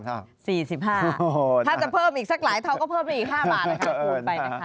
ถ้าจะเพิ่มอีกสักหลายเท่าก็เพิ่มไปอีก๕บาทเลยค่ะ